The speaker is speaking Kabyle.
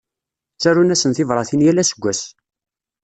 Ttarun-asen tibratin yal aseggas.